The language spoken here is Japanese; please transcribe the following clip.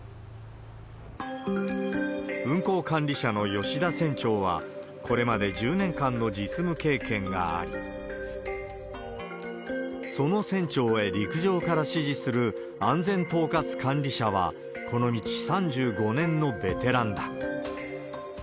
運航管理者の吉田船長は、これまで１０年間の実務経験があり、その船長へ陸上から指示する安全統括管理者は、この道３５年のベテランだ。